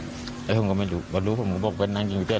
อันนี้ผมก็ไม่รู้อาลูกผมก็บอกจะไปนั่งกินกูเดียว